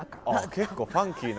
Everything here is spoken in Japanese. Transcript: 結構ファンキーな。